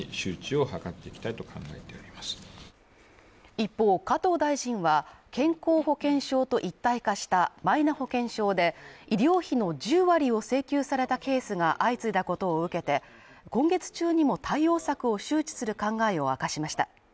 一方、加藤大臣は、健康保険証と一体化したマイナ保険証で医療費の１０割を請求されたケースが相次いだことを受けて、今月中にも対応策を周知する考えを明かしました。